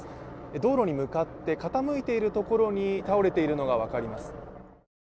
道路に向かって傾いているところに倒れているのが分かります。